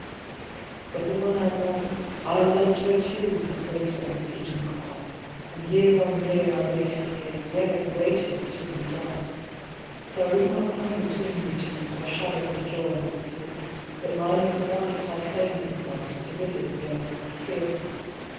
'But the one I love'—'I loved her too,' The first ghost stood and cried; 'And year on year I waited here, Yea, waited till you died. 'For I would not come between you two, Nor shadow her joy with fear, But mine is the right, I claim this night To visit the earthly sphere.